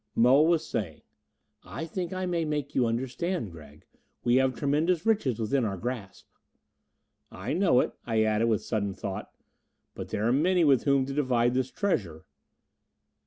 Moa was saying, "I think I may make you understand, Gregg. We have tremendous riches within our grasp." "I know it," I added with sudden thought. "But there are many with whom to divide this treasure...."